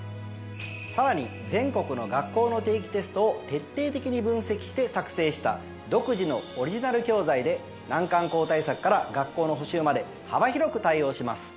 さらに全国の学校の定期テストを徹底的に分析して作成した独自のオリジナル教材で難関校対策から学校の補習まで幅広く対応します。